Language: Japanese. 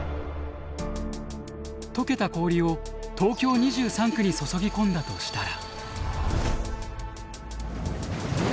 解けた氷を東京２３区に注ぎ込んだとしたら。